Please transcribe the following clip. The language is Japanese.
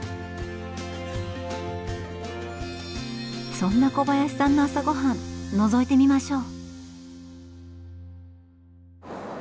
そんな小林さんの朝ごはんのぞいてみましょう。